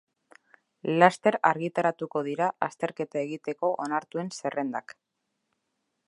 Laster argitaratuko dira azterketa egiteko onartuen zerrendak.